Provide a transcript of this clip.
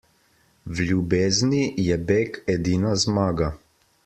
V ljubezni je beg edina zmaga.